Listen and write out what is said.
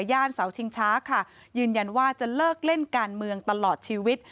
เสาชิงช้าค่ะยืนยันว่าจะเลิกเล่นการเมืองตลอดชีวิต